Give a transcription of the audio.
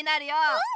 うん！